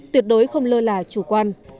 tuyệt đối không lơ là chủ quan